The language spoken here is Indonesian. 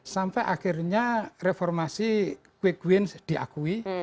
sampai akhirnya reformasi quick win diakui